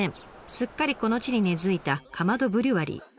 すっかりこの地に根づいたカマドブリュワリー。